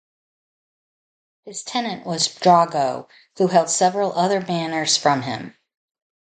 His tenant was Drogo, who held several other manors from him.